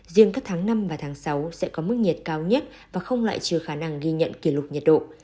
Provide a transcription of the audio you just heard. riêng các tháng năm và tháng sáu sẽ có mức nhiệt cao nhất và không lại trừ khả năng ghi nhận kỷ lục nhiệt độ